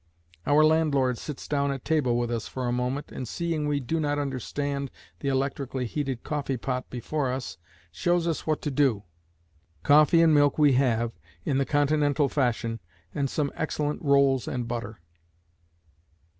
Our landlord sits down at table with us for a moment, and seeing we do not understand the electrically heated coffee pot before us, shows us what to do. Coffee and milk we have, in the Continental fashion, and some excellent rolls and butter.